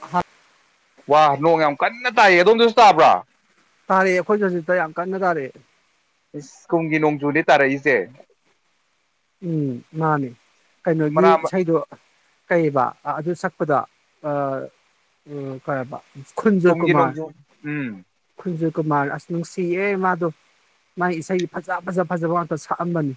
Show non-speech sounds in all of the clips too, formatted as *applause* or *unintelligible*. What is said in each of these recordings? ꯍꯥꯠ ꯋꯥ ꯅꯣꯡ ꯌꯥꯝ ꯀꯟꯅ ꯇꯥꯏꯌꯦ ꯑꯗꯣꯝꯗꯁꯨ ꯇꯥꯕ꯭ꯔꯥ ꯇꯥꯔꯛꯑꯦ ꯑꯈꯣꯏꯁꯨ ꯍꯧꯖꯤꯛꯇ ꯌꯥꯝ ꯀꯟꯅ ꯇꯥꯔꯛ ꯑꯦ ꯏꯁ ꯀꯨꯝꯒꯤ ꯅꯣꯡꯖꯨꯅꯦ ꯇꯥꯔꯛꯏꯁꯦ ꯎꯝ ꯃꯥꯅꯤ ꯀꯩꯅꯣꯒꯤ ꯃꯅꯥ ꯏꯁꯩꯗꯣ ꯀꯩꯕ ꯑꯗꯨ ꯁꯛ ꯄꯗꯣ ꯑꯥ ꯑꯥ ꯀꯩ ꯑꯦ ꯕꯥ ꯈꯨꯨꯟꯖꯣꯏ ꯀꯨꯝꯒꯤ ꯀꯨꯃꯔ ꯅꯣꯡꯖꯨ ꯎꯝ ꯈꯨꯨꯟꯖꯣꯢ ꯀꯨꯃꯔ ꯑꯁ ꯅꯨꯡꯁꯤꯌꯦ ꯃꯥꯗꯣ ꯃꯥꯏ ꯏꯁꯩꯗꯤ ꯐꯖ ꯐꯖ ꯐꯖꯕ ꯉꯥꯛꯇ ꯁꯛꯑꯝꯕꯅꯤ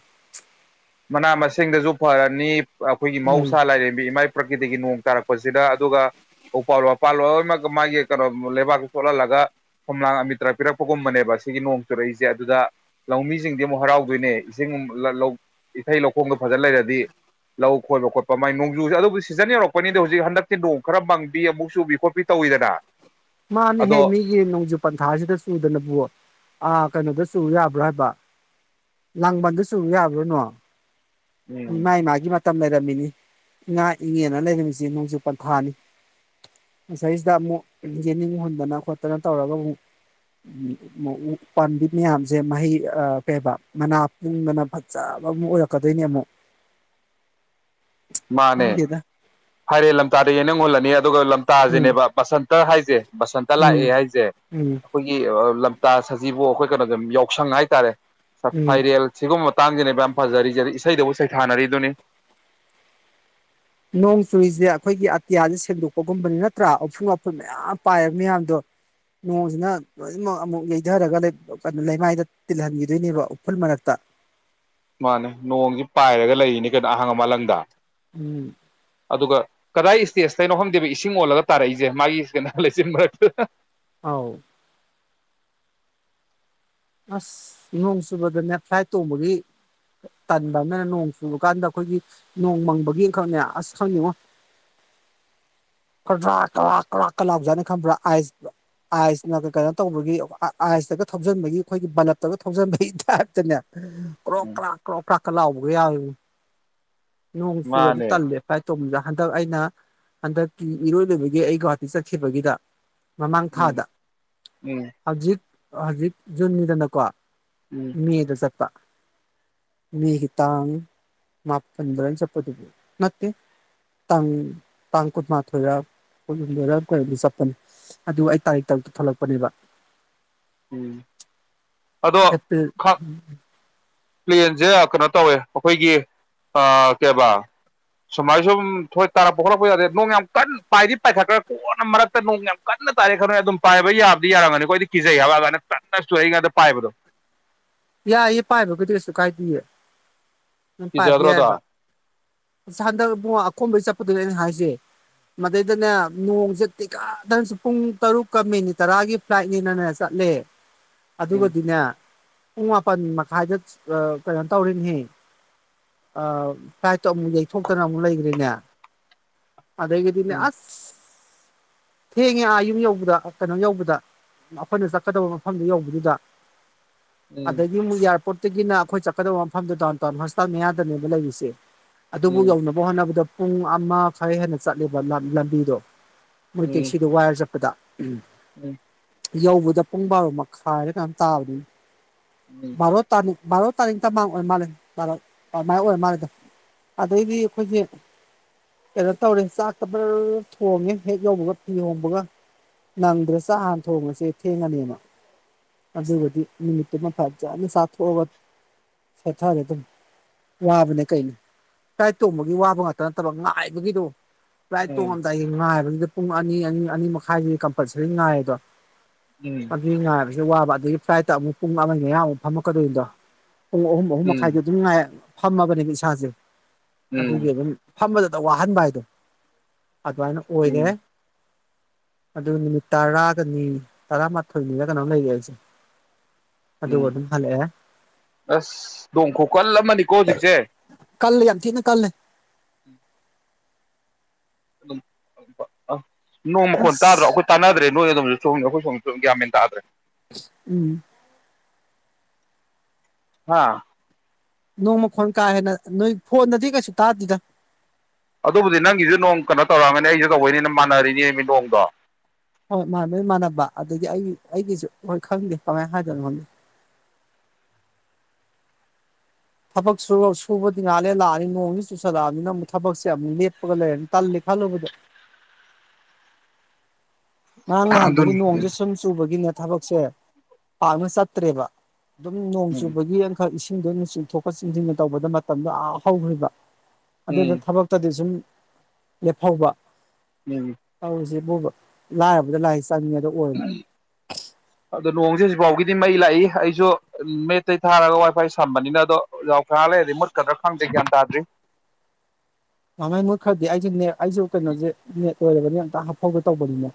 ꯃꯅꯥ ꯃꯁꯤꯡꯗꯁꯨ ꯐꯔꯅꯤ ꯑꯈꯣꯏꯒꯤ ꯎꯝ ꯃꯍꯧꯁꯥ ꯂꯥꯏꯔꯦꯝꯕꯤ ꯏꯃꯥꯏ ꯄ꯭ꯔꯀꯤꯇꯒꯤ ꯅꯣꯡ ꯇꯥꯔꯛꯄꯁꯤꯗ ꯑꯗꯨꯒ ꯎꯄꯥꯜ ꯋꯥꯄꯥꯜ ꯂꯣꯏꯃꯛ ꯃꯥꯒꯤ ꯀꯩꯅꯣ ꯂꯩꯕꯥꯛꯇꯣ ꯆꯣꯠꯍꯜꯂꯒ ꯈꯣꯝꯂꯥꯡ ꯑꯃꯤꯇ꯭ꯔ ꯄꯤꯔꯛꯄꯒꯨꯝꯕꯅꯦꯕ ꯁꯤꯒꯤ ꯅꯣꯡ ꯆꯨꯔꯛꯏꯁꯦ ꯑꯗꯨꯗ ꯂꯧꯃꯤꯁꯤꯡꯗꯤ ꯑꯃꯨꯛ ꯍꯔꯥꯎꯗꯣꯏꯅꯦ ꯏꯁꯤꯡ ꯂ ꯂꯧ ꯏꯊꯩ ꯂꯧꯈꯣꯡꯗꯣ ꯐꯖ ꯂꯩꯔꯗꯤ ꯂꯧ ꯈꯣꯏꯕ ꯈꯣꯠꯄ ꯃꯥꯏ ꯅꯣꯡꯖꯨꯁꯦ ꯑꯗꯨꯕꯨꯗꯤ ꯁꯤꯖꯟ ꯌꯧꯔꯛꯄꯅꯤꯗ ꯍꯧꯖꯤꯛ ꯍꯟꯗꯛꯇꯤ ꯅꯣꯡ ꯈꯔ ꯃꯪꯕꯤ ꯑꯃꯨꯛ ꯆꯨꯕꯤ ꯈꯣꯠꯄꯤ ꯇꯧꯋꯤꯗꯅ ꯃꯥꯅꯦꯍꯦ ꯑꯗꯣ ꯃꯤꯒꯤ ꯅꯣꯡꯖꯨ ꯄꯟꯊꯥꯁꯤꯗ ꯆꯨꯗꯅꯕꯨ ꯑꯥ ꯀꯩꯅꯣꯗ ꯆꯨ ꯌꯥꯕ꯭ꯔ ꯍꯥꯏꯕ ꯂꯥꯡꯕꯟꯗ ꯆꯨ ꯌꯥꯕ꯭ꯔꯣ ꯅꯣꯡ ꯎꯝ ꯃꯥꯏ ꯃꯥꯒꯤ ꯃꯥ ꯇꯝ ꯂꯩꯔꯝꯃꯤꯅꯤ ꯏꯉꯥ ꯏꯪꯉꯦꯟꯅ ꯂꯩꯔꯝꯃꯤꯁꯤ ꯅꯣꯡꯖꯨ ꯄꯟꯊꯥꯅꯤ ꯃꯁꯩꯁꯤꯗ ꯑꯃꯨꯛ ꯌꯦꯅꯤꯡ ꯍꯨꯟꯗꯅ ꯈꯣꯠꯇꯅ ꯇꯧꯔꯒ ꯑꯃꯨꯛ ꯎ ꯄꯥꯝꯕꯤ ꯃꯌꯥꯝꯁꯦ ꯃꯍꯩ ꯑ ꯀꯩꯕ ꯃꯅꯥ ꯄꯨꯡꯗꯅ ꯐꯖꯕ ꯑꯃꯨꯛ ꯑꯣꯏꯔꯛꯀꯗꯣꯏꯅꯦ ꯑꯃꯨꯛ ꯃꯥꯅꯦ ꯈꯪꯗꯦꯗ ꯐꯥꯏꯔꯦꯜ ꯂꯝꯇꯥꯗ ꯌꯦꯅꯤꯡ ꯍꯨꯜꯂꯅꯤ ꯑꯗꯨꯒ ꯎꯝ ꯂꯝꯇꯥꯁꯤꯅꯦꯕ ꯕꯁꯟ ꯇ ꯍꯥꯏꯖꯦ ꯕꯁꯟꯇ ꯂꯥꯛꯑꯦ ꯎꯝ ꯍꯥꯏꯁꯦ ꯎꯝ ꯑꯩꯈꯣꯏꯒꯤ ꯑ ꯂꯝ ꯇꯥ ꯁꯖꯤꯕꯨ ꯑꯩꯈꯣꯏ ꯀꯩꯅꯣꯗ ꯌꯥꯎꯁꯪ ꯍꯥꯏꯇꯔꯦ ꯎꯝ ꯐ-ꯐꯥꯏꯔꯦꯜ ꯁꯤꯒꯨꯝꯕ ꯃꯇꯥꯡꯁꯤꯅꯦꯕ ꯌꯥꯝ ꯐꯖꯔꯤꯖ ꯏꯁꯩꯗꯕꯨ ꯁꯩ ꯊꯥꯅꯔꯤ ꯗꯨꯅꯤ ꯅꯣꯡ ꯆꯨꯔꯤꯁꯦ ꯑꯈꯣꯏꯒꯤ ꯑꯇꯤꯌꯥꯁꯦ ꯁꯦꯡꯗꯣꯛꯄꯒꯨꯝꯕꯅꯤ ꯅꯠꯇ꯭ꯔ ꯎꯐꯨꯜ ꯋꯥꯐꯨꯜ ꯃꯌꯥꯝ ꯄꯥꯏꯕ ꯃꯌꯥꯝꯗꯣ ꯅꯣꯡꯁꯤꯅ ꯂꯣꯏꯅꯃꯛ ꯑꯃꯨꯛ ꯌꯩꯗꯔꯒ ꯂꯩ-ꯑ-ꯂꯩꯃꯥꯏꯗ ꯇꯤꯜꯍꯟꯒꯤꯗꯣꯏꯅꯦꯕ ꯎꯐꯨꯜ ꯃꯔꯛꯇ ꯃꯥꯅꯦ ꯅꯣꯡꯁꯤ ꯄꯥꯏꯔꯒ ꯂꯩꯔꯤꯅꯤ ꯀꯩꯅꯣ ꯑꯍꯥꯡꯕ ꯃꯥꯂꯪꯗ ꯎꯝ ꯑꯗꯨꯒ ꯀꯗꯥꯏ ꯁ꯭ꯇꯦꯖꯇꯩꯅꯣ ꯈꯪꯗꯦꯕ ꯏꯁꯤꯡ ꯑꯣꯜꯂꯒ ꯇꯥꯔꯛꯏꯁꯦ ꯃꯥꯒꯤ ꯀꯩꯅꯣ ꯂꯩꯆꯤꯟ ꯃꯔꯛꯇ ꯑꯥꯎ ꯑꯁ ꯅꯣꯡ ꯆꯨꯕꯗꯅꯦ ꯐ꯭ꯂꯥꯏꯠ ꯇꯣꯡꯕꯒꯤ ꯇꯟꯕ ꯑꯃꯅ ꯅꯣꯡ ꯆꯨꯕ ꯀꯥꯟꯗ ꯑꯈꯣꯏꯒꯤ ꯅꯣꯡ ꯃꯪꯕꯒꯤ ꯑꯃꯈꯛꯅꯦ ꯑꯁ ꯈꯪꯗꯦꯉꯣ ꯀꯗ꯭ꯔꯥꯛ ꯀꯔꯥꯛ ꯀꯔꯥꯛ ꯀ ꯂꯥꯎꯖꯥꯠꯅꯦ ꯈꯟꯕ꯭ꯔ ꯑꯥꯏꯁ ꯑꯥꯏꯁꯅ ꯀꯩꯅꯣ ꯇꯧꯕꯒꯤ ꯑꯥꯏꯁꯇꯒ ꯊꯧꯖꯟꯕꯒꯤ ꯑꯩꯈꯣꯏꯒꯤ ꯕꯂꯞꯇꯒ ꯊꯧꯖꯤꯟꯕꯒꯤ ꯇꯥꯏꯞꯇꯅꯦ ꯀ꯭ꯔꯣꯛ ꯎꯝ ꯀ꯭ꯔꯥꯛ ꯀ꯭ꯔꯣꯛ ꯀ꯭ꯔꯥꯛꯀ ꯂꯥꯎꯕꯒ ꯌꯥꯎꯋꯦ ꯅꯣꯡ ꯆꯨꯔꯗꯤ ꯃꯥꯅꯦ ꯇꯜꯂꯦ ꯐ꯭ꯂꯥꯏꯠ ꯇꯣꯡꯕꯒ ꯍꯟꯗꯛ ꯑꯩꯅ ꯍꯟꯗꯛꯀꯤ ꯏꯔꯣꯏ ꯂꯣꯏꯕꯒꯤ ꯑꯩ ꯒꯧꯍꯥꯇꯤ ꯆꯠꯈꯤꯕꯒꯤꯗ ꯃꯃꯥꯡ ꯎꯝ ꯊꯥꯗ ꯎꯝ ꯍꯧꯖꯤꯛ ꯍꯧꯖꯤꯛ ꯖꯨꯟꯗꯅꯀꯣ ꯎꯝ ꯃꯦꯗ ꯆꯠ ꯇꯥ ꯃꯦꯒꯤ ꯇꯥꯡ ꯃꯥ ꯄꯟꯕ꯭ꯔ ꯆꯠꯄꯗꯨꯕꯨ ꯅꯠꯇꯦ ꯇꯡ ꯇꯥꯡ ꯀꯨꯟꯃꯥꯊꯣꯏꯔ ꯀꯨꯟꯍꯨꯝꯗꯣꯏꯔ ꯀꯩꯅꯣ ꯆꯠꯄꯅꯤ ꯑꯗꯨ ꯑꯩ ꯇꯥꯔꯤꯛ ꯇꯔꯨꯛꯇ ꯊꯣꯛꯂꯛꯄꯅꯦꯕ ꯎꯝ ꯑꯗꯣ ꯑꯦꯄ꯭ꯔꯤꯜ ꯈꯛ ꯄ꯭ꯂꯦꯟꯁꯦ ꯀꯩꯅꯣ ꯇꯧꯋꯦ ꯑꯈꯣꯏꯒꯤ ꯑ ꯀꯩꯕ ꯁꯨꯃꯥꯏ ꯁꯨꯝ ꯍꯣꯏ ꯇꯥꯔꯛꯄ ꯈꯣꯠꯂꯛꯄ ꯌꯥꯗꯦ ꯅꯣꯡ ꯌꯥꯝ ꯀꯟꯅ ꯄꯥꯏꯗꯤ ꯄꯥꯏꯈꯠꯈ꯭ꯔꯦ ꯀꯣꯟꯅ ꯃꯔꯛꯇ ꯅꯣꯡ ꯌꯥꯝ ꯀꯟꯅ ꯇꯥꯔꯦ ꯈꯜꯂꯣ ꯑꯗꯨꯝ ꯄꯥꯏꯕ ꯌꯥꯕꯗꯤ ꯌꯥꯔꯝꯒꯅꯤꯀꯣ ꯈꯣꯏꯗꯤ ꯀꯤꯖꯩ ꯍꯥꯏꯕ ꯑꯗꯨꯃꯥꯏ ꯀꯟꯅ ꯆꯨꯔꯛꯏ ꯉꯩꯗ ꯄꯥꯏꯕꯗꯣ ꯌꯥꯏꯌꯦ ꯄꯥꯏꯕꯒꯗꯤ ꯀꯩꯁꯨ ꯀꯥꯏꯗꯤꯌꯦ ꯗꯨꯝ ꯄꯥꯏꯕ ꯀꯤꯖꯗ꯭ꯔꯣ ꯌꯥꯏꯕ ꯑꯗꯣ ꯑꯁ ꯍꯟꯗꯛ ꯕꯨꯉꯣ ꯑꯀꯣꯝꯕꯩ ꯆꯠꯄꯗꯨꯅꯦ ꯑꯩꯅ ꯍꯥꯏꯁꯦ ꯃꯗꯩꯗꯅꯦ ꯅꯣꯡꯁꯦ ꯇꯤꯀꯠꯇꯅꯆꯨ ꯄꯨꯡ ꯇꯔꯨꯛꯀ ꯃꯤꯅꯤꯠ ꯇꯔꯥꯒꯤ ꯐ꯭ꯂꯥꯏꯠꯅꯦꯗꯅ ꯆꯠꯂꯦ ꯎꯝ ꯑꯗꯨꯒꯗꯤꯅꯦ ꯄꯨꯡ ꯃꯥꯄꯟ ꯃꯈꯥꯏꯗ ꯑ ꯀꯩꯅꯣ ꯇꯧꯔꯦꯅꯦꯍꯦ ꯑ ꯐ꯭ꯂꯥꯏꯠ ꯑꯃꯨꯛ ꯌꯩꯊꯣꯛꯇꯅ ꯑꯃꯨꯛ ꯂꯩꯒ꯭ꯔꯦꯅꯦ ꯑꯥꯗꯩꯩ ꯒꯤꯗꯤꯅꯦ ꯎꯝ ꯑꯁ ꯊꯦꯡꯉꯦ ꯑꯥ ꯌꯨꯝ ꯌꯧꯕꯗ ꯀꯩꯅꯣ ꯌꯧꯕꯗ ꯑꯈꯣꯏꯅ ꯆꯠꯀꯗꯕ ꯃꯐꯝꯗꯨ ꯌꯧꯕꯗꯨꯗ ꯎꯝ ꯑꯗꯒꯤ ꯃꯨꯛ ꯌꯔ ꯄꯣꯔꯠ꯭ꯇꯒꯤꯅ ꯑꯈꯣꯏ ꯆꯠꯀꯗꯕ ꯃꯐꯝꯗꯣ ꯗꯥꯎꯟ ꯇꯥꯎꯟ ꯍꯣꯁꯄꯤꯇꯥꯜ ꯃꯌꯥꯗꯅꯦꯕ ꯂꯩꯔꯤꯁꯦ ꯑꯗꯨꯕꯨ ꯌꯧꯅꯕ ꯍꯣꯠꯅꯕꯗꯣ ꯄꯨꯡ ꯑꯃ ꯈꯥꯏ ꯍꯦꯟꯅ ꯆꯠꯂꯦꯕ ꯂꯝꯕꯤꯗꯣ ꯃꯣꯏ ꯎꯝ ꯇꯦꯛꯁꯤꯗꯣ ꯋꯥꯏꯔ ꯆꯠꯄꯗ ꯎꯝ ꯎꯝ ꯌꯧꯕꯗ ꯄꯨꯡ ꯕꯥꯔꯣ ꯃꯈꯥꯏꯔ ꯀꯩꯅꯝ ꯇꯥꯕꯅꯤꯅꯤ ꯎꯝ ꯕꯥꯔꯣ ꯇꯥꯅꯤꯛ ꯕꯥꯔꯣ ꯇꯥꯅꯤꯡ ꯇꯃꯥꯡ ꯑꯣꯏ ꯃꯥꯜꯂꯦ ꯑꯗꯨꯃꯥꯏ ꯑꯣꯏꯔ ꯃꯥꯜꯂꯦꯗ ꯑꯗꯩꯗꯤ ꯑꯈꯣꯏꯁꯦ ꯀꯩꯅꯣ ꯇꯧꯔꯦ ꯆꯥꯛꯇ ꯕꯥꯔꯔꯥꯞ ꯊꯣꯡꯉꯦ ꯍꯦꯛ ꯌꯧꯕꯒ ꯐꯤ ꯍꯣꯡꯕꯒ ꯅꯪꯗ꯭ꯔꯦ ꯆꯥꯛ ꯍꯥꯟꯅ ꯊꯣꯡꯉꯁꯦ ꯊꯦꯡꯉꯅꯦꯅ ꯑꯗꯨꯒꯗꯤ ꯅꯨꯃꯤꯠꯇꯨꯃ ꯐꯖꯅ ꯆꯥꯊꯣꯛꯑꯒ ꯁꯦꯊꯔꯦ ꯑꯗꯨꯝ ꯋꯥꯕꯅꯦ ꯀꯩꯅꯦ ꯐꯂꯥꯏꯗ ꯇꯣꯡꯕꯒꯤ ꯋꯥꯕ ꯉꯥꯛꯇ ꯅꯠꯇꯕ ꯉꯥꯏꯕꯒꯤꯗꯣ ꯐꯂꯥꯏꯠ ꯎꯝ ꯇꯣꯡꯉꯝꯗꯥꯏꯒꯤ ꯉꯥꯏꯕꯒꯤꯗꯣ ꯑꯗ ꯄꯨꯡ ꯑꯅꯤ ꯑꯅꯤ ꯑꯅꯤ ꯃꯈꯥꯏꯁꯤ ꯀꯝꯄꯜꯁꯔꯤ ꯉꯥꯏꯗꯣ ꯎꯝ ꯎꯝ ꯑꯗꯨ ꯉꯥꯏꯕꯥ ꯋꯥꯕ ꯑꯗꯒꯤ ꯐ꯭ꯂꯥꯏꯠꯇ ꯑꯃꯨꯛ ꯄꯨꯡ ꯑꯃꯃꯩ ꯃꯌꯥꯃꯨꯛ ꯐꯝꯃꯛꯀꯗꯣꯏꯅꯤꯗꯣ ꯄꯨꯡ ꯑꯍꯨꯝ ꯑꯍꯨꯝ ꯃꯈꯥꯏꯗꯤ ꯑꯗꯨꯝ ꯉꯥꯏ ꯐꯝꯃꯕꯅꯦꯕ ꯏꯁꯥꯁꯦ ꯎꯝ ꯑꯗꯨꯒꯤ ꯑꯗꯨꯝ ꯐꯝꯕꯗꯗ ꯋꯥꯍꯟꯕ ꯍꯥꯏꯗꯣ ꯑꯗꯨꯃꯥꯏꯅ ꯑꯣꯏꯔꯦ ꯎꯝ ꯎꯝ ꯑꯗꯨ ꯅꯨꯃꯤꯠ ꯇꯔꯥꯒꯅꯤ ꯇꯔꯥꯃꯥꯊꯣꯏꯅꯤꯔꯥ ꯀꯩꯅꯣꯝ ꯂꯩꯔꯛ ꯑꯦ ꯑꯩꯁꯦ ꯎꯝ ꯑꯗꯨꯒ ꯑꯗꯨꯝ ꯍꯜꯂꯛꯑꯦ ꯑꯁ ꯗꯣꯡ ꯈꯨ ꯀꯜ ꯑꯃꯅꯤ ꯀꯣꯖꯤꯛꯁꯦ ꯀꯜꯂꯦ ꯌꯥꯝꯊꯤꯅ ꯀꯜꯂꯦ *unintelligible* ꯅꯣꯡ ꯃꯈꯣꯟ ꯇꯥꯗ꯭ꯔꯣ ꯑꯁ ꯑꯈꯣꯏ ꯇꯥꯟꯅꯗ꯭ꯔꯦ ꯅꯣꯏ ꯑꯗꯨꯝ ꯁꯣꯝꯗ ꯑꯈꯣꯏ ꯁꯣꯝꯗꯥ ꯒꯌ꯭ꯥꯟ ꯃꯦꯜ ꯇꯥꯗꯔꯦ ꯎꯝ ꯍꯥꯥ ꯅꯣꯡꯃꯈꯣꯟ ꯀꯥ ꯍꯦꯟꯅ ꯅꯣꯏ ꯐꯣꯟꯗꯗꯤ ꯀꯩꯁꯨ ꯇꯥꯗꯦꯗ ꯑꯗꯨꯕꯨꯗꯤ ꯅꯪꯒꯤꯁꯨ ꯅꯣꯡ ꯀꯩꯅꯣ ꯇꯧꯔꯝꯒꯅꯤ ꯑꯩꯁꯨ ꯇꯧꯕꯩꯅꯤꯟ ꯃꯥꯟꯅꯔꯤꯅꯦ ꯃꯤ ꯅꯣꯡꯗꯣ ꯍꯣꯏ ꯃꯥꯟꯅꯕꯩ ꯃꯥꯟꯅꯕ ꯑꯗꯨꯗꯤ ꯑꯩ ꯑꯩꯒꯤꯁꯨ ꯍꯣꯏ ꯈꯪꯗꯦ ꯀꯃꯥꯏꯅ ꯍꯥꯏꯗꯣꯏꯅ ꯈꯪꯗꯦ ꯊꯕꯛ ꯁꯨ ꯁꯨꯕꯗꯤ ꯉꯏꯍꯥꯛ ꯂꯩꯔ꯭ ꯂꯥꯛꯑꯅꯤ ꯅꯣꯡꯗꯤ ꯆꯨꯁꯜꯂꯛꯑꯕꯅꯤꯅ ꯑꯃꯨꯛ ꯊꯕꯛꯁꯦ ꯑꯃꯨꯛ ꯂꯦꯞꯄꯒ ꯂꯩꯔꯅꯤ ꯇꯜꯂꯦ ꯈꯜꯂꯨꯕꯗ ꯉꯡ ꯑꯗꯨꯅꯤ ꯉꯥꯍꯟꯗꯩꯩ ꯅꯣꯡꯁꯦ ꯁꯨꯝ ꯆꯨꯕꯒꯤ ꯅꯦ ꯊꯕꯛꯁꯦ ꯄꯥꯛꯅ ꯆꯠꯇ꯭ꯔꯦꯕ ꯑꯗꯨꯝ ꯅꯣꯡ ꯎꯝ ꯆꯨꯕꯒꯤ ꯌꯥꯟꯈꯛ ꯏ ꯏꯁꯤꯡꯗꯣꯅ ꯆꯤꯡꯊꯣꯛꯄ ꯆꯤꯡꯁꯤꯟꯅ ꯇꯧꯕꯗ ꯃꯇꯝꯗꯣ ꯌꯥꯝ ꯍꯧꯈ꯭ꯔꯤꯕ ꯑꯗꯨꯗ ꯎꯝ ꯊꯕꯛꯇꯗꯤ ꯁꯨꯝ ꯂꯦꯞ ꯐꯧꯕ ꯎꯝ ꯑꯧꯖꯤꯛ ꯎꯕ ꯂꯥꯏꯔꯕ ꯂꯥꯏ ꯑꯗ ꯅꯣꯡꯁꯦ ꯍꯧꯖꯤ ꯐꯥꯎꯒꯤꯗꯤ ꯃꯩ ꯂꯥꯛꯏ ꯑꯩꯁꯨ ꯃꯦꯠꯇꯩ ꯊꯥꯔꯒ ꯋꯥꯏ ꯐꯥꯏ ꯁꯝꯕꯅꯤꯅ ꯑꯗꯣ ꯌꯥꯎ ꯀꯔ ꯂꯩꯔꯗꯤ ꯃꯨꯠꯀꯗ꯭ꯔꯥ ꯈꯪꯗꯦ ꯒ꯭ꯌꯥꯟ ꯇꯥꯗ꯭ꯔꯤ ꯉꯥꯡꯉꯩ ꯂꯣꯏꯔꯕꯅꯤ ꯑꯝꯇ ꯍꯥꯞꯐꯥꯎ ꯇꯧꯕꯅꯤꯅꯦ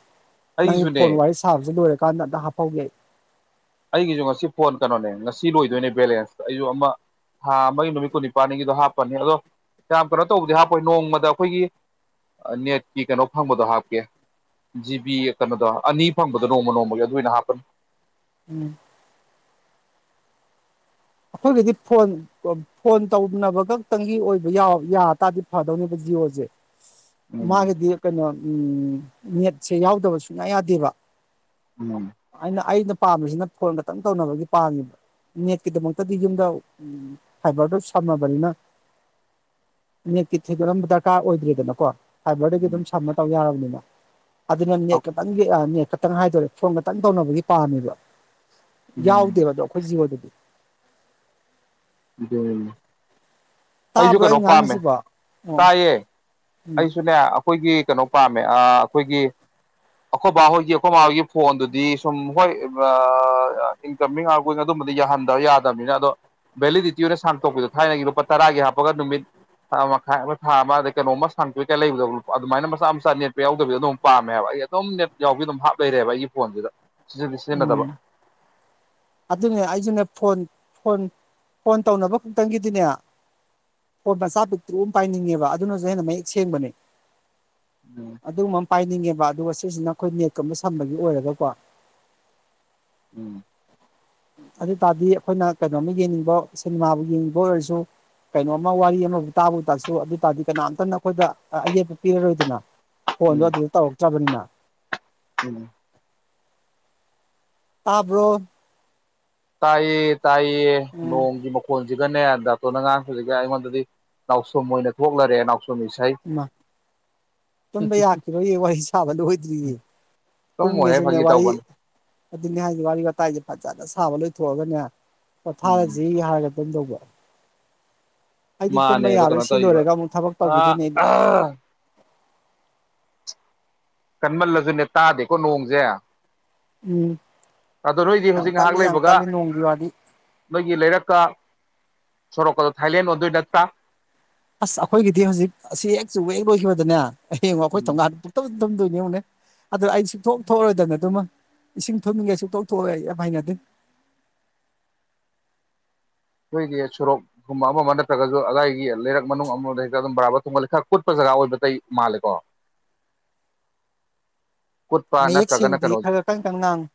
ꯅꯪꯒꯤ ꯑꯩꯒꯤꯁꯨꯅꯦ ꯐꯣꯟ ꯋꯥꯔꯤ ꯁꯥꯕꯕꯁꯤꯦ ꯂꯣꯏꯔꯀꯥꯟꯗ ꯑꯝꯇꯗꯥ ꯍꯥꯞꯍꯧꯒꯦ ꯑꯩ ꯑꯩꯒꯤꯁꯨ ꯉꯁꯤ ꯐꯣꯟ ꯀꯩꯅꯣꯅꯦ ꯉꯁꯤ ꯂꯣꯏꯗꯣꯏꯅꯦ ꯕꯦꯂꯦꯟꯁ ꯑꯩꯁꯨ ꯑꯃ ꯊꯥ ꯑꯃꯒꯤ ꯅꯨꯃꯤꯠ ꯀꯨꯟꯅꯤꯄꯥꯜꯅꯤꯒꯤꯗꯣ ꯍꯥꯞꯄꯅꯤ ꯑꯗꯣ ꯌꯥꯝꯌꯥꯝ ꯀꯩꯅꯣ ꯇꯧꯕꯗꯤ ꯍꯥꯞꯄꯣꯏ ꯅꯣꯡꯃꯗ ꯑꯩꯈꯣꯏꯒꯤ ꯅꯦꯠꯀꯤ ꯀꯩꯅꯣ ꯐꯪꯕꯗꯣ ꯍꯥꯞꯀꯦ ꯖꯤꯕꯤ ꯀꯩꯅꯣꯗꯣ ꯑꯅꯤ ꯐꯪꯕꯗꯣ ꯅꯣꯡꯃ ꯅꯣꯡꯃꯒꯤ ꯑꯗꯨ ꯑꯣꯏꯅ ꯍꯥꯞꯄꯅꯤ ꯎꯝ ꯑꯩꯈꯣꯏꯒꯤꯗꯤ ꯐꯣꯟ ꯐꯣꯟ ꯇꯧꯅꯕ ꯈꯛꯇꯪꯒꯤ ꯑꯣꯏꯕ ꯌꯥꯔ ꯇꯔꯗꯤ ꯐꯗꯧꯅꯦꯕ ꯖꯤꯑꯣꯁꯦ ꯎꯝ ꯃꯥꯒꯤꯗꯤ ꯀꯩꯅ ꯎꯝ ꯃꯦꯠꯁꯦ ꯌꯥꯎꯗꯕ ꯁꯨꯡꯌꯥ ꯌꯥꯗꯦꯕ ꯎꯝ ꯑꯩꯅ ꯑꯩꯅ ꯄꯥꯝꯃꯤꯁꯤꯅ ꯐꯣꯟ ꯈꯛꯇꯪ ꯇꯧꯅꯕꯒꯤ ꯄꯥꯡꯃꯤꯕ ꯅꯦꯠꯀꯤꯗꯃꯛ ꯗꯤ ꯌꯨꯝꯗ ꯎ ꯐꯥꯏꯕꯔꯗꯣ ꯁꯝꯃꯕꯅꯤꯅ ꯅꯦꯠꯃꯛꯇꯤ ꯊꯣꯏꯗꯣꯛꯅ ꯗꯔꯀꯥꯔ ꯑꯣꯏꯗ꯭ꯔꯔꯤꯗꯅꯀꯣ ꯐꯥꯏꯕꯔꯗꯒꯤ ꯎꯝ ꯑꯗꯨꯝ ꯁꯝꯃ ꯇꯧ ꯌꯥꯔꯕꯅꯤꯅ ꯋꯥ ꯑꯗꯨꯅ ꯅꯦ ꯅꯦꯠ ꯈꯇꯪꯒꯤ ꯑ ꯅꯧ ꯈꯤꯇꯪ ꯍꯥꯏꯗꯣꯔꯦ ꯐꯣꯟ ꯈꯛꯇꯪ ꯇꯧꯅꯕꯒꯤ ꯄꯥꯝꯃꯦꯕ ꯌꯥꯎꯗꯦꯕꯗꯣ ꯑꯩꯈꯣꯏ ꯆꯤ ꯍꯣꯏꯗꯗꯤ ꯀꯩꯗꯧꯔꯤꯅꯣ ꯑꯩꯁꯨ ꯇꯥꯕ꯭ꯔꯣ ꯑꯩ ꯀꯩꯅꯣ ꯄꯥꯝꯃꯦ ꯉꯥꯡꯉꯤꯁꯤꯕꯣ ꯑꯣ ꯇꯥꯏꯌꯦ ꯎꯝ ꯑꯩꯁꯨꯅꯦ ꯑꯩꯈꯣꯏꯒꯤ ꯀꯩꯅꯣ ꯄꯥꯝꯃꯦ ꯑ꯬ ꯑꯩꯈꯣꯏꯒꯤ ꯑꯩꯈꯣꯏꯕ ꯍꯣꯏꯒꯤ ꯑꯩꯈꯣꯏ ꯃꯥ ꯍꯣꯏꯒꯤ ꯐꯣꯟꯗꯨꯗꯤ ꯁꯨꯝ ꯍꯣꯏ ꯏꯟꯀꯃꯤꯡꯣꯏ ꯑꯗꯨꯝꯕꯗꯤ ꯌꯥꯍꯟꯗꯕ ꯌꯥꯗꯕꯅꯤꯅ ꯑꯗꯣ ꯚꯦꯂꯤꯗꯤꯇꯤ ꯗ ꯁꯥꯡꯇꯣꯛꯄꯤꯗꯣ ꯊꯥꯏꯅꯒꯤ ꯂꯨꯄꯥ ꯇꯔꯥꯒꯤ ꯍꯥꯞꯄꯒ ꯅꯨꯃꯤꯠ ꯊ ꯃꯈꯥꯏ ꯑꯃ ꯊꯥ ꯑꯃ ꯑꯗꯩ ꯀꯩꯅꯣꯝꯃ ꯁꯥꯡꯇꯣꯛꯄꯤ ꯀꯥꯏ ꯂꯩꯕꯗ ꯑꯗꯨꯃꯥꯏꯅ ꯃꯆꯥ ꯃꯆꯥ ꯅꯦꯠꯄꯦ ꯌꯥꯎꯗꯕꯤꯗꯣ ꯑꯗꯨꯝ ꯄꯥꯝꯃꯦꯕ ꯑꯩ ꯑꯗꯨꯝ ꯅꯦꯠ ꯌꯥꯎꯕꯤ ꯑꯗꯨꯝ ꯍꯥꯞ ꯂꯩꯔꯦꯕ ꯑꯩꯒꯤ ꯐꯣꯟꯁꯤꯗ ꯁꯤꯖꯤꯟ ꯎꯝ ꯁꯤꯖꯤꯟꯅꯗꯕ ꯑꯗꯨꯅꯦ ꯑꯩꯁꯨꯅꯦ ꯐꯣꯟ ꯐꯣꯟ ꯐꯣꯟ ꯇꯧꯅꯕ ꯈꯛꯇꯪꯒꯤꯗꯤꯅꯦ ꯐꯣꯟ ꯃꯆꯥ ꯄꯤꯛꯇ ꯑꯃ ꯄꯥꯏꯅꯤꯡꯉꯦꯕ ꯑꯗꯨꯅꯁꯨ ꯍꯦꯟꯅ ꯃꯌꯦꯛ ꯁꯦꯡꯕꯅꯦ ꯎꯝ ꯑꯗꯨꯃꯝ ꯄꯥꯏꯅꯤꯡꯉꯦ ꯑꯗꯨꯒ ꯁꯤꯁꯤꯅ ꯑꯩꯈꯣꯏ ꯅꯦꯠꯀꯨꯝꯕ ꯁꯝꯕꯒꯤ ꯑꯣꯏꯔꯒꯀꯣ ꯎꯝ ꯑꯗꯨ ꯇꯥꯔꯗꯤ ꯑꯩꯈꯣꯏꯅ ꯀꯩꯅꯣꯝꯃ ꯌꯦꯡꯅꯤꯡꯕ ꯁꯤꯅꯦꯃꯥꯕꯨ ꯌꯦꯡꯅꯤꯡꯕ ꯑꯣꯏꯔꯁꯨ ꯀꯩꯅꯣꯝꯃ ꯋꯥꯔꯤ ꯑꯃꯕꯨ ꯇꯥꯕꯨ ꯇꯥꯁꯨ ꯑꯗꯨ ꯇꯥꯔꯗꯤ ꯀꯅꯥꯝꯇꯅ ꯑꯩꯈꯣꯏꯗ ꯑꯌꯦꯠꯄ ꯄꯤꯔꯔꯣꯏꯗꯅ ꯐꯣꯟ ꯑꯗꯨ ꯎꯝ ꯑꯗꯨꯗ ꯇꯧꯔꯛꯛꯇꯕꯅꯤꯅ ꯎꯝ ꯇꯥꯕ꯭ꯔꯣ ꯇꯥꯏꯌꯦ ꯇꯥꯏꯌꯦ ꯎꯝ ꯅꯣꯡꯒꯤ ꯃꯈꯣꯜ ꯍꯧꯖꯤꯛꯀꯅꯦ ꯗꯥꯇꯣꯅ ꯉꯥꯔꯥꯡ ꯍꯧꯖꯤꯛ ꯑꯩꯉꯣꯟꯗꯗꯤ ꯅꯥꯎꯁꯨꯝ ꯑꯣꯏꯅ ꯊꯣꯛꯂꯔꯦ ꯅꯥꯎ ꯃꯥ ꯇꯨꯝꯕ ꯌꯥꯈꯤꯔꯣꯏꯌꯦ ꯋꯥꯔꯤ ꯁꯥꯕ ꯂꯣꯏꯗ꯭ꯔꯤꯌꯦ ꯇꯨꯝꯃꯣꯏꯍꯦ ꯇꯨꯝꯒꯦꯁꯨꯅꯦ ꯐꯥꯒꯤ ꯋꯥꯔꯤ ꯇꯧꯕꯅꯤ ꯑꯗꯨꯅꯦ ꯍꯥꯏꯁꯦ ꯋꯥꯔꯤ ꯋꯥꯇꯥꯏꯁꯦ ꯐꯖꯅ ꯁꯥꯕ ꯂꯣꯏ ꯊꯣꯑꯒꯅꯦ ꯎꯝ ꯄꯣꯊꯥꯔꯖꯤ ꯌꯥꯍꯜꯂꯁꯤ ꯀꯝ ꯇꯧꯕ ꯑꯩꯗꯤ ꯇꯨꯝꯕ ꯌꯥꯔꯣꯏ ꯁꯤ ꯂꯣꯏꯔꯒ ꯑꯃꯨꯛ ꯊꯕꯛ ꯇꯧꯈꯤꯅꯤ ꯑꯥ ꯑꯝ ꯀꯟꯃꯜꯂꯁꯨꯅꯦ ꯇꯥꯗꯦꯀꯣ ꯅꯣꯡꯁꯦ ꯎꯝ ꯑꯗꯣ ꯅꯣꯏꯗꯤ ꯌꯥꯝ ꯍꯧꯖꯤꯛ ꯉꯥꯏꯍꯥꯛ ꯀꯜꯂꯤ ꯌꯥꯝ ꯂꯩꯕꯒ ꯀꯜꯂꯤ ꯅꯣꯡꯒꯤ ꯋꯥꯗꯤ ꯅꯣꯏꯒꯤ ꯂꯩꯔꯛꯀ ꯁꯣꯔꯣꯛ ꯀꯗꯣ ꯊꯥꯏꯂꯦꯟ ꯑꯣꯟꯗꯣꯏ ꯅꯇ꯭ꯔꯥ ꯑꯁ ꯑꯩꯈꯣꯏꯒꯤꯗꯤ ꯍꯧꯖꯤꯛ ꯑꯁꯤ ꯍꯦꯛ ꯆꯨꯕ ꯂꯣꯏꯈꯤꯕꯗꯅꯦ ꯍꯌꯦꯡ ꯑꯩꯈꯣꯏ ꯊꯣꯥꯡꯒꯥꯟ ꯄꯨꯡꯊꯨꯝ ꯇꯝꯗꯣꯏꯅꯦ ꯌꯦꯉꯨꯅꯦ ꯑꯩ ꯁꯨꯛꯊꯣꯛ ꯊꯣꯛꯑꯔꯣꯏꯗꯕꯅꯦ ꯑꯗꯨꯃ ꯏꯁꯤꯡ ꯊꯨꯝꯃꯤꯉꯩ ꯁꯨꯛꯊꯣꯛ ꯊꯣꯛꯑꯔꯣꯏ ꯑꯩ ꯌꯥꯝ ꯍꯥꯏꯅꯗꯦ ꯑꯩꯈꯣꯏꯒꯤ ꯁꯣꯔꯣꯛꯀꯨꯝꯕ ꯑꯃ ꯑꯃ ꯅꯠꯇ꯭ꯔꯒꯁꯨ ꯑꯗꯥꯏꯒꯤ ꯂꯩꯔꯛ ꯃꯅꯨꯡ ꯑꯃꯗ ꯍꯦꯛꯇ ꯑꯗꯨꯝ ꯕꯔꯥꯕꯔ ꯊꯣꯡꯉꯥꯂꯤ ꯈꯔ ꯀꯨꯠꯄ ꯖꯒꯥ ꯑꯣꯏꯕꯇꯩ ꯃꯥꯜꯂꯦꯀꯣ ꯀꯨꯠꯄ ꯃꯌꯦꯛ ꯅꯠꯇ꯭ꯔꯒꯅ ꯁꯦꯡꯗꯤ ꯀꯩꯅꯣ ꯈꯔ ꯀꯟ ꯀꯟ ꯉꯥꯡꯉꯨ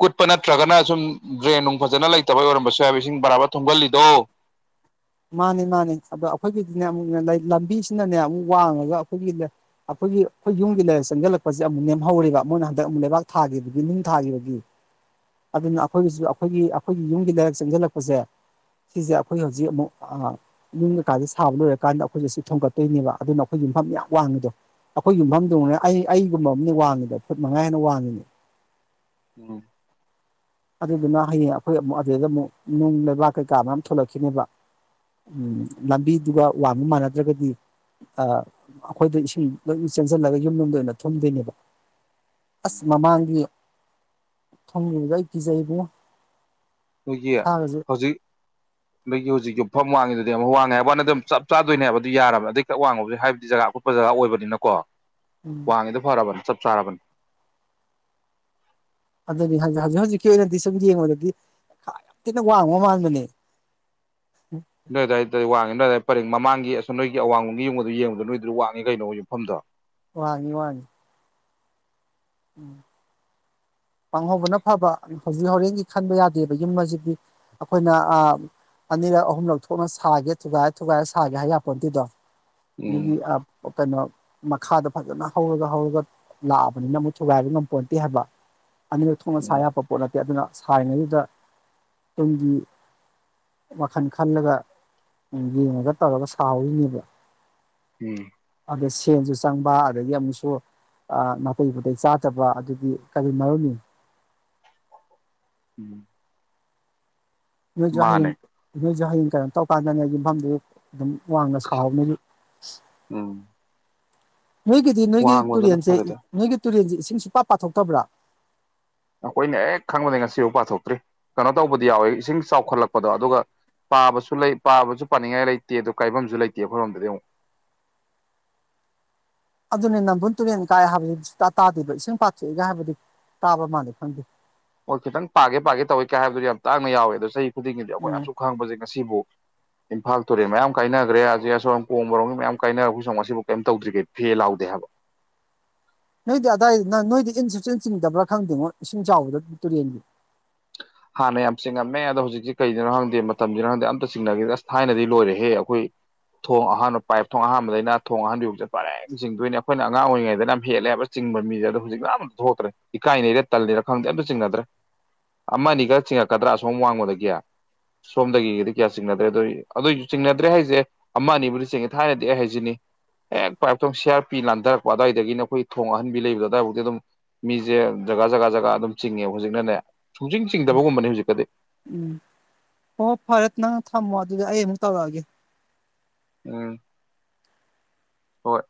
ꯀꯨꯠꯄ ꯅꯠꯇ꯭ꯔꯒꯅ ꯁꯨꯝ ꯗ꯭ꯔꯦꯟ ꯅꯨꯡ ꯐꯖꯅ ꯂꯩꯇꯕꯩ ꯑꯣꯏꯔꯝꯕꯁꯨ ꯌꯥ ꯏꯁꯤꯡ ꯕꯔꯥꯕꯔ ꯊꯨꯝꯒꯜꯂꯤꯗꯣ ꯃꯥꯅꯦ ꯃꯥꯅꯦ ꯑꯗ ꯥ ꯑꯩꯈꯣꯏꯒꯤꯗꯤꯅꯦ ꯑꯃꯨꯛꯅꯦ ꯂꯝꯕꯤꯁꯤꯅꯅꯦ ꯑꯃꯨꯛ ꯋꯥꯡꯉꯒ ꯑꯩꯈꯣꯏꯒꯤ ꯑꯩꯈꯣꯏꯒꯤ ꯑꯩꯈꯣꯏ ꯌꯨꯝꯒꯤ ꯂꯩꯏꯔꯛ ꯆꯪꯁꯤꯜꯂꯛꯄꯁꯦ ꯑꯃꯨꯛ ꯅꯦꯝꯍꯧꯔꯤꯕ ꯃꯣꯏꯅ ꯍꯟꯗꯛ ꯑꯃꯨꯛ ꯂꯩꯕꯥꯛ ꯊꯥꯈꯤꯕꯒꯤ ꯅꯨꯡ ꯊꯥꯈꯤꯕꯒꯤ ꯑꯗꯨꯅ ꯑꯩꯈꯣꯏꯒꯤꯁꯨ ꯑꯩꯈꯣꯏꯒꯤ ꯑꯩꯈꯣꯏꯒꯤ ꯌꯨꯝꯒꯤꯗ ꯆꯪꯁꯤꯜꯂꯛꯄꯁꯦ ꯁꯤꯁꯦ ꯑꯩꯈꯣꯏ ꯍꯧꯖꯤꯛ ꯑꯃꯨꯛ ꯑꯥ ꯌꯨꯝ ꯀꯀꯥꯗꯤ ꯁꯥꯕ ꯂꯣꯏꯔꯀꯥꯟꯗ ꯑꯩꯈꯣꯏꯁꯦ ꯁꯤ ꯊꯣꯡꯒꯠꯇꯣꯏꯅꯦꯕ ꯑꯗꯨꯅ ꯑꯩꯈꯣꯏ ꯌꯨꯝꯐꯝ ꯌꯥꯝ ꯋꯥꯡꯉꯤꯗꯣ ꯑꯩꯈꯣꯏ ꯌꯨꯝꯐꯝꯗꯣ ꯑꯩ ꯑꯩꯒꯨꯝꯕ ꯑꯃꯅꯦ ꯋꯥꯡꯉꯤꯗꯣ ꯐꯨꯠ ꯃꯉꯥ ꯍꯦꯟꯅ ꯋꯥꯡꯉꯤꯅꯦ ꯎꯝ ꯑꯗꯨꯗꯨꯅ ꯍꯌꯦꯡ ꯑꯩꯈꯣꯏ ꯑꯃꯨꯛ ꯑꯗꯨꯩꯗ ꯑꯃꯨꯛ ꯅꯨꯡ ꯂꯩꯕꯥꯛ ꯀꯩꯀꯥ ꯃꯌꯥꯝ ꯊꯣꯛꯂꯛꯈꯤꯅꯦꯕ ꯎꯝ ꯂꯝꯕꯤꯗꯨꯒ ꯋꯥꯡꯕ ꯃꯥꯟꯅꯗ꯭ꯔꯒꯗꯤ ꯑꯥ ꯑꯩꯈꯣꯏꯗ ꯏꯁꯤꯡ ꯂꯣꯏꯅ ꯆꯦꯟꯁꯤꯜꯂꯒ ꯌꯨꯝꯂꯣꯝꯗ ꯑꯣꯏꯅ ꯊꯨꯝꯗꯣꯏꯅꯦꯕ ꯑꯁ ꯃꯃꯥꯡꯒꯤ ꯈꯪꯗꯦꯗ ꯑꯩ ꯀꯤꯖꯩ ꯏꯕꯨꯡꯉꯣ ꯅꯣꯏꯒꯤ ꯁꯥꯒꯁꯦ ꯍꯧꯖꯤꯛ ꯅꯣꯏꯒꯤ ꯍꯧꯖꯤꯛ ꯌꯨꯝ ꯃꯐꯝ ꯋꯥꯡꯉꯤꯗꯨꯗꯤ ꯋꯥꯡꯉꯦ ꯍꯥꯏꯕ ꯋꯥꯅꯦ ꯆꯞ ꯆꯥꯗꯣꯏꯅꯦ ꯍꯥꯏꯕ ꯑꯗꯨ ꯌꯥꯔꯕꯅꯦ ꯑꯗꯒꯤ ꯈꯔ ꯋꯥꯡꯕꯁꯨ ꯍꯥꯏꯕꯗꯤ ꯖꯒꯥ ꯑꯀꯨꯠꯄ ꯖꯒꯥ ꯑꯣꯏꯕꯅꯤꯀꯣ ꯎꯝ ꯋꯥꯡꯉꯤꯗꯣ ꯐꯔꯥꯕꯅꯦ ꯆ ꯆꯔꯥꯕꯅꯦ ꯑꯗꯨꯅꯤ ꯍꯧꯖꯤꯛ ꯍꯧꯖꯤꯛꯀꯤ ꯑꯣꯏꯅꯗꯤ ꯁꯨꯝ ꯌꯦꯡꯕꯗꯗꯤ ꯌꯥꯝ ꯊꯤꯅ ꯋꯥꯡꯕ ꯃꯥꯟꯕꯅꯦ ꯅꯣꯏ ꯑꯗꯥꯏ ꯋꯥꯡꯉꯤ ꯅꯣꯏ ꯑꯗꯥꯏ ꯄꯔꯦꯡ ꯃꯃꯥꯡꯒꯤ ꯑꯁꯣꯝ ꯅꯣꯏꯒꯤ ꯑꯋꯥꯡꯉꯣꯝꯒꯤ ꯌꯨꯝꯒꯇꯣ ꯌꯦꯡꯉꯨ ꯅꯣꯏꯗꯨꯅ ꯋꯥꯡꯉꯤ ꯀꯩꯅꯣ ꯌꯨꯝꯐꯝꯗꯣ ꯋꯥꯡꯉꯤ ꯋꯥꯡꯉꯤ ꯎꯝ ꯋꯥꯡꯍꯧꯕꯅ ꯐꯕ ꯍꯧꯖꯤꯛ ꯍꯣꯔꯦꯟꯗꯒꯤ ꯈꯟꯕ ꯌꯥꯗꯦꯕ ꯌꯨꯝ ꯑꯁꯤꯗꯤ ꯑꯩꯈꯣꯏꯅ ꯑꯥ ꯑꯅꯤꯔꯛ ꯑꯍꯨꯝꯂꯛ ꯊꯣꯛꯅ ꯁꯥꯒꯦ ꯊꯨꯒꯥꯏꯔ ꯊꯨꯒꯥꯏꯔ ꯁꯥꯒꯦ ꯍꯥꯏ ꯌꯥꯄꯣꯠꯇꯦꯗꯣ ꯃꯤ ꯎꯝ ꯑꯥ ꯀꯩꯅꯣ ꯃꯈꯥꯗ ꯐꯖꯅ ꯍꯧꯔꯒ ꯍꯧꯔꯒ ꯂꯥꯛꯑꯕꯅꯤꯅ ꯑꯃꯨꯛ ꯊꯨꯒꯥꯏꯕ ꯉꯝꯄꯣꯟꯇꯦ ꯍꯥꯏꯕ ꯑꯅꯤꯔꯛ ꯊꯣꯛꯅ ꯎꯝ ꯁꯌꯥꯕ ꯄꯣꯠ ꯅꯠ ꯑꯗꯨꯅ ꯁꯥꯔꯤꯉꯩꯗꯨꯗ ꯇꯨꯡꯒꯤ ꯋꯥꯈꯜ ꯈꯜꯂꯒ ꯌꯦꯡꯉꯒ ꯇꯧꯔꯒ ꯁꯥꯍꯧꯔꯤꯅꯦꯕ ꯎꯝ ꯑꯗ ꯁꯦꯟꯁꯨ ꯆꯪꯕ ꯑꯗꯒꯤ ꯑꯃꯨꯛꯁꯨ ꯅꯥꯇꯩ ꯄꯨꯇꯩꯩ ꯆꯥꯗꯕ ꯑꯗꯨꯗꯤ ꯀꯔꯤ ꯃꯔꯝꯒꯤ ꯎꯝ ꯅꯣꯌꯖꯨ ꯃꯥꯅꯦ ꯍꯌꯦꯡ ꯅꯣꯏꯖꯨ ꯍꯌꯦꯡ ꯀꯩꯅꯣ ꯇꯧꯀꯥꯟꯗꯅꯦ ꯌꯨꯝꯐꯝꯗꯨ ꯑꯗꯨꯝ ꯋꯥꯡꯅ ꯁꯥꯍꯧꯅꯤ ꯎꯝ ꯅꯣꯏꯒꯤꯗꯤ ꯅꯣꯏꯒꯤ ꯋꯥꯡꯕꯗꯨꯅ ꯇꯨꯔꯟꯁꯦ ꯐꯔꯦꯗ ꯅꯣꯏꯒꯤ ꯇꯨꯔꯦꯟꯁꯦ ꯏꯁꯤ ꯁꯨꯛꯄ ꯄꯥꯊꯣꯛꯇꯕ꯭ꯔ ꯑꯈꯣꯏꯅ ꯍꯦꯛ ꯈꯪꯕꯗꯩ ꯉꯁꯤꯐꯥꯎ ꯄꯥꯊꯣꯛꯇ꯭ꯔꯤ ꯀꯩꯅꯣ ꯇꯧꯕꯗꯤ ꯌꯥꯎꯋꯦ ꯏꯁꯤꯡ ꯆꯥꯎꯈꯠꯂꯛꯄꯗꯣ ꯑꯗꯨꯒ ꯄꯥꯕꯁꯨ ꯂꯩ ꯄꯥꯕꯁꯨ ꯄꯥꯅꯤꯡꯉꯥꯏ ꯂꯩꯇꯦ ꯑꯗꯨ ꯀꯥꯏꯐꯝꯁꯨ ꯂꯩꯇꯦ ꯑꯈꯣꯏꯔꯣꯝꯗꯗꯤ ꯑꯃꯨꯛ ꯑꯗꯨꯅ ꯅꯝꯕꯨꯜ ꯇꯨꯔꯦꯟ ꯀꯥꯏ ꯍꯥꯏꯕꯗꯨꯗꯤ ꯁꯨꯛꯇ ꯇꯥꯗꯦꯕ ꯏꯁꯤꯡ ꯄꯥꯠꯊꯣꯛꯏꯒ ꯍꯥꯏꯕꯗꯤ ꯇꯥꯕ ꯃꯥꯜꯂꯤ ꯈꯪꯗꯦ ꯑꯣ ꯈꯤꯇꯪ ꯄꯥꯒꯦ ꯄꯥꯒꯦ ꯇꯧꯏ ꯀꯥꯏ ꯍꯥꯏꯕꯗꯨ ꯌꯥꯝ ꯇꯥꯡꯅ ꯌꯥꯎꯋꯦ ꯑꯗꯣ ꯆꯍꯤ ꯈꯨꯗꯤꯡꯒꯤꯗꯤ ꯑꯈꯣꯏꯅ ꯎꯝ ꯑꯁꯨꯛ ꯈꯥꯡꯉꯛꯄꯁꯦ ꯉꯁꯤꯕꯨꯛ ꯏꯝꯐꯥꯜ ꯇꯨꯔꯦꯜ ꯃꯌꯥꯝ ꯀꯥꯏꯅꯒ꯭ꯔꯦ ꯑꯖꯤꯛ ꯑꯁꯣꯝꯔꯣꯝ ꯀꯣꯡꯕꯥꯔꯣꯝꯒꯤ ꯃꯌꯥꯝ ꯀꯥꯏꯅ ꯑꯈꯣꯢ ꯁꯣꯝ ꯉꯁꯤꯐꯥꯎ ꯀꯩꯝ ꯇꯧꯗ꯭ꯔꯤ ꯀꯩꯅꯣ ꯐꯦ ꯂꯥꯎꯗꯦ ꯍꯥꯏꯕ ꯅꯣꯏꯗꯤ ꯑꯗꯥꯏ ꯅꯪ ꯅꯣꯏꯗꯤ ꯏꯟ ꯁꯨꯆꯤꯡ ꯆꯤꯡꯗꯕ꯭ꯔꯥ ꯈꯪꯗꯦꯉꯣ ꯏꯁꯤꯡ ꯆꯥꯎꯕꯗ ꯇꯨꯔꯦꯟꯒꯤ ꯍꯥꯟꯅ ꯌꯥꯝ ꯆꯤꯡꯉꯝꯃꯦ ꯑꯗꯣ ꯍꯧꯖꯤꯛꯁꯤ ꯀꯩꯗꯩꯅꯣ ꯈꯪꯗꯦ ꯃꯇꯝ ꯖꯤꯔꯥ ꯈꯪꯗꯦ ꯑꯃꯇ ꯆꯤꯡꯅꯥꯒꯤꯗ꯭ꯔꯦ ꯈꯪꯗꯦ ꯑꯁ ꯊꯥꯏꯅꯗꯤ ꯂꯣꯏꯔꯦꯍꯦ ꯑꯈꯣꯏ ꯊꯣꯡ ꯑꯍꯥꯟꯕ ꯄꯥꯏꯞ ꯊꯣꯡ ꯑꯍꯥꯟꯕꯗꯩꯅ ꯊꯣꯡ ꯑꯍꯟꯕꯤꯕꯨꯛꯁꯦ ꯄꯔꯦꯡ ꯆꯤꯡꯗꯣꯏꯅꯤ ꯑꯈꯣꯏꯅ ꯑꯉꯥꯡ ꯑꯣꯏꯔꯤꯉꯩꯗꯅ ꯌꯥꯝ ꯍꯦꯜꯂꯦꯕ ꯆꯤꯡꯕ ꯃꯤꯁꯦ ꯑꯗꯣ ꯍꯧꯖꯤꯛꯅ ꯑꯃꯝ ꯊꯣꯛꯇ꯭ꯔꯦ ꯏꯀꯥꯏꯅꯩꯔ ꯇꯜꯂꯤꯔꯥ ꯈꯪꯗꯦ ꯑꯝꯇ ꯆꯤꯡꯅꯗ꯭ꯔꯦ ꯑꯃ ꯑꯅꯤ ꯈꯔ ꯆꯤꯡꯉꯛꯀꯗ꯭ꯔꯥ ꯑꯁꯣꯝ ꯋꯥꯡꯃꯗꯒꯤ ꯁꯣꯝꯗꯒꯤꯗꯤ ꯀꯌꯥ ꯆꯤꯡꯅꯗ꯭ꯔꯦ ꯑꯗꯨꯏ ꯑꯗꯨꯏ ꯆꯤꯡꯅꯗ꯭ꯔꯦ ꯍꯥꯏꯁꯦ ꯑꯃ ꯑꯅꯤꯕꯨꯗꯤ ꯆꯤꯡꯉꯦ ꯊꯥꯏꯅꯗꯤ ꯑꯩ ꯍꯥꯏꯁꯤꯅꯤ ꯍꯦꯛ ꯄꯥꯏꯄꯊꯣꯡ ꯁꯤꯌꯥꯔꯄꯤ ꯂꯥꯟꯊꯔꯛꯄ ꯑꯗꯨꯋꯥꯏꯗꯒꯤꯅ ꯑꯈꯣꯏ ꯊꯣꯡ ꯑꯥꯍꯟꯕꯤ ꯂꯩꯕꯗꯣ ꯑꯗꯨꯋꯥꯏꯐꯥꯎꯗꯤ ꯑꯗꯨꯝ ꯃꯤꯁꯦ ꯖꯒꯥ ꯖꯒꯥ ꯖꯒꯥ ꯑꯗꯨꯝ ꯆꯤꯡꯉꯦꯕ ꯍꯧꯖꯤꯛꯅꯅꯦ ꯁꯨꯡꯖꯤꯡ ꯆꯤꯡꯗꯕꯒꯨꯝꯕꯅꯤ ꯍꯧꯖꯤꯛꯀꯗꯤ ꯎꯝ ꯍꯣ ꯍꯣ ꯐꯔꯦ ꯅꯪ ꯅ ꯊꯝꯃꯣ ꯑꯗꯨꯗ ꯑꯩ ꯑꯃꯨꯛ ꯇꯧꯔꯛꯑꯒꯦ ꯎꯝ ꯍꯣꯏ